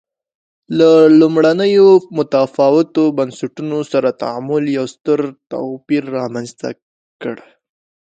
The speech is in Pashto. له لومړنیو متفاوتو بنسټونو سره تعامل یو ستر توپیر رامنځته کړ.